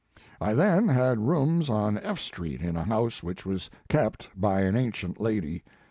<4 I then had rooms on F street in a house which was kept by an ancient lady.